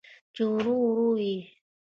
چې ورو، ورو یې